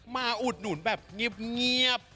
มาอุดหนุนแบบเงียบเงียบ